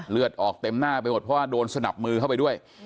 เลือดออกเต็มหน้าไปหมดเพราะว่าโดนสนับมือเข้าไปด้วย